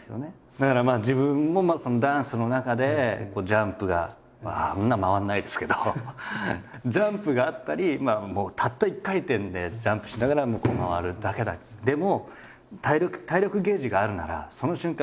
だから自分もダンスの中でジャンプがあんなは回らないですけどジャンプがあったりもうたった１回転でジャンプしながら回るだけでも結構減りますよね。